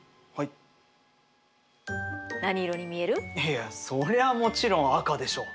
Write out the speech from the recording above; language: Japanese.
いやそりゃもちろん赤でしょう。